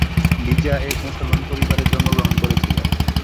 লিজা এক মুসলমান পরিবারে জন্মগ্রহণ করেছিল।